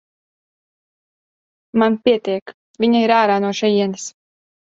Man pietiek, viņa ir ārā no šejienes.